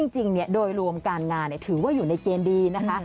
จริงโดยรวมการงานถือว่าอยู่ในเกณฑ์ดีนะคะ